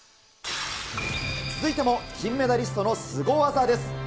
続いても、金メダリストのすご技です。